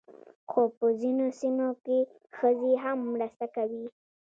خو په ځینو سیمو کې ښځې هم مرسته کوي.